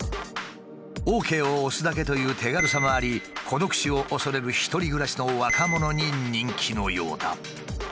ＯＫを押すだけという手軽さもあり孤独死を恐れる一人暮らしの若者に人気のようだ。